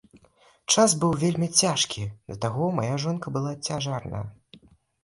Час быў вельмі цяжкі, да таго мая жонка была цяжарная.